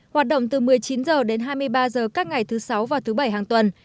hoạt động từ một mươi chín h đến hai mươi ba h các ngày thứ sáu và thứ bảy hàng tuần